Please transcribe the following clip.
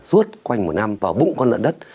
suốt quanh một năm vào bụng con lợn đất